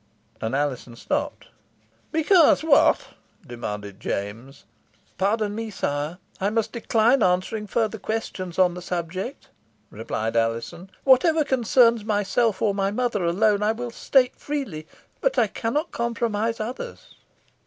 "Because " and Alizon stopped. "Because what?" demanded James. "Pardon me, sire, I must decline answering further questions on the subject," replied Alizon. "Whatever concerns myself or my mother alone, I will state freely, but I cannot compromise others."